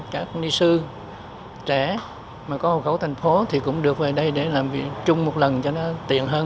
các ni sư trẻ mà có hồ khẩu thành phố thì cũng được về đây để làm việc chung một lần cho nó tiện hơn